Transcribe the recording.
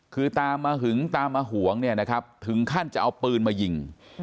คือตามมาหึงตามมาหวงเนี่ยนะครับถึงขั้นจะเอาปืนมายิง